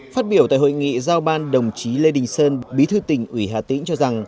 phát biểu tại hội nghị giao ban đồng chí lê đình sơn bí thư tỉnh ủy hà tĩnh cho rằng